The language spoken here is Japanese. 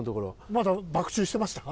まだバク宙してましたか？